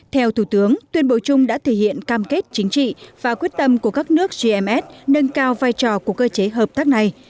theo thủ tướng tuyên bố chung đã thể hiện cam kết chính trị và quyết tâm của các nước gms nâng cao vai trò của cơ chế hợp tác này